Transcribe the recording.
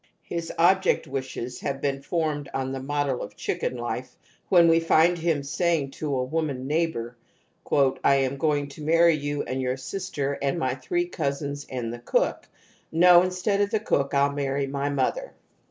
His ob ject wishes have been formed on the model of chicken life when we find him saying to a woman neighbour : "I am going to marry you and your sister and my three cousins and the cook ; no, instead of the cook I'll marry my mother."